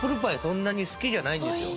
そんなに好きじゃないんですよ